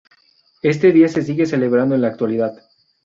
Este día se sigue celebrando en la actualidad.